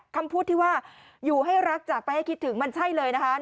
คำพูดที่ว่าอยู่ให้รักจากไปให้คิดถึงมันใช่เลยนะคะ